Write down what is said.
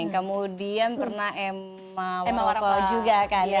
kemudian pernah emma wawoko juga kan